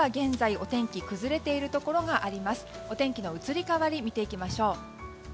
お天気の移り変わり見ていきましょう。